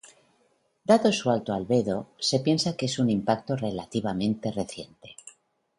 Dado su alto albedo, se piensa que es un impacto relativamente reciente.